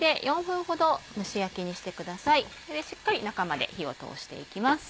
それでしっかり中まで火を通していきます。